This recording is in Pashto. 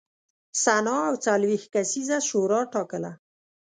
سنا او څلوېښت کسیزه شورا ټاکله